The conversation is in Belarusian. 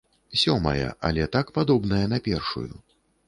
Сёмая, але так падобная на першую.